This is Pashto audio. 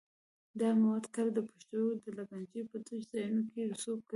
دا مواد کله د پښتورګو د لګنچې په تشو ځایونو کې رسوب کوي.